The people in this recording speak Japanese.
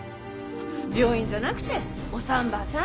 病院じゃなくてお産婆さん。